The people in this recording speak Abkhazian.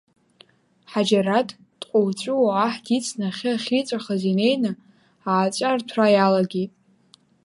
Ҳаџьараҭ дҟуҵәуо аҳ дицны ахьы ахьыҵәахыз инеины, ааҵәа арҭәра иалагеит.